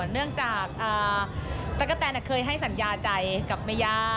เนื่องจากตั๊กกะแตนเคยให้สัญญาใจกับแม่ย่า